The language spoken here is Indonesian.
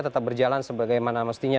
tetap berjalan sebagaimana mestinya